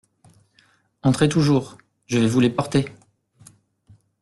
Entrez toujours… je vais vous les porter…